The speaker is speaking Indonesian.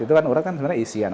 itu kan urat kan sebenarnya isian